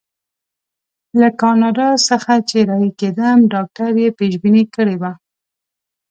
له کاناډا څخه چې رهي کېدم ډاکټر یې پېشبیني کړې وه.